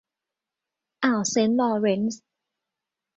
อ่าวเซนต์ลอว์เรนซ์